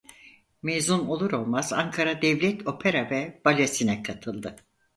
Mezun olur olmaz Ankara Devlet Opera ve Balesi'ne katıldı.